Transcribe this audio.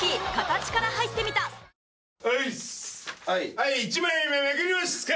はい１枚目めくりますか！